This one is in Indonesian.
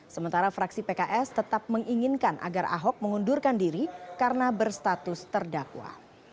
sementara fraksi pks tetap menginginkan agar ahok mengundurkan diri karena berstatus terdakwa